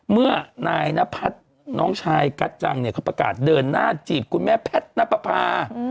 เมื่อนายนพัฒน์น้องชายกัจจังเนี่ยเขาประกาศเดินหน้าจีบคุณแม่แพทย์นับประพา